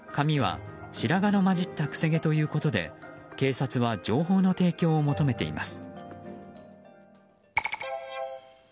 髪は白髪の交じったくせ毛ということで警察は情報の提供を求めています。